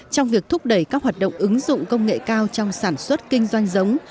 trong việc thúc đẩy các hoạt động ứng dụng công nghệ cao trong sản xuất kinh doanh giống